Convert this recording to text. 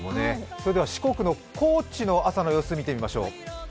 それでは四国の高知の朝の様子を見てみましょう。